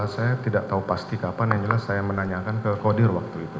saya tidak tahu pasti kapan yang jelas saya menanyakan ke kodir waktu itu